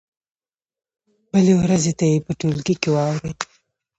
بلې ورځې ته یې په ټولګي کې واورئ.